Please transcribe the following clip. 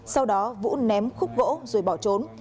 sau đó vũ ném khúc gỗ rồi bỏ trốn